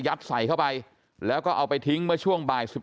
ใส่เข้าไปแล้วก็เอาไปทิ้งเมื่อช่วงบ่าย๑๑